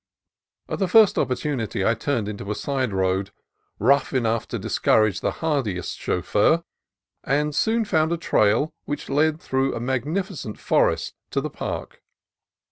At the first opportunity I turned into a side road, rough enough to discourage the hardiest chauffeur, and soon found a trail which led through magnificent forest to the Park.